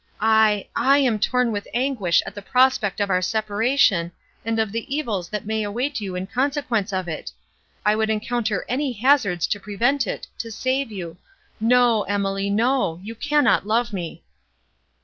I, I am torn with anguish at the prospect of our separation, and of the evils that may await you in consequence of it; I would encounter any hazards to prevent it—to save you. No! Emily, no!—you cannot love me."